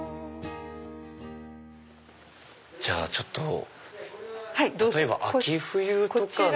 じゃあちょっと例えば秋冬とかの。